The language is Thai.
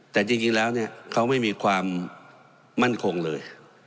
แต่จริงแล้วเนี่ยเขาไม่มีความมั่นคงเลย